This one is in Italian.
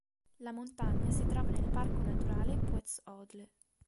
La montagna si trova nel parco naturale Puez-Odle.